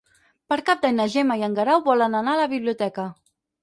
Per Cap d'Any na Gemma i en Guerau volen anar a la biblioteca.